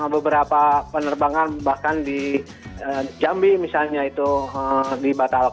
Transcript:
beberapa penerbangan bahkan di jambi misalnya itu dibatalkan